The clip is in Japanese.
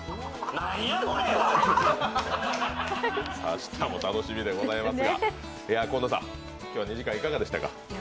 明日も楽しみでございますが、紺野さん、今日は２時間いかがでしたか？